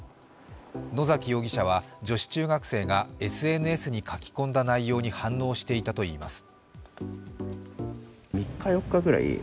野崎容疑者は、女子中学生がＳＮＳに書き込んだ内容に反応していたといいます。